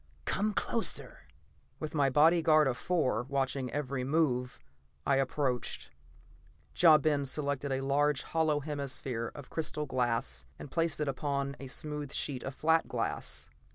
Come closer!" With my bodyguard of four watching every move, I approached. Ja Ben selected a large hollow hemisphere of crystal glass and placed it upon a smooth sheet of flat glass.